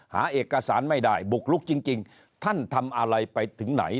หาเอกสารไม่ได้บุกลุกจริงท่านทำอะไรไปถึงไหน